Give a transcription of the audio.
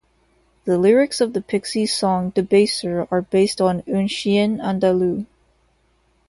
The lyrics of the Pixies song Debaser are based on "Un Chien Andalou".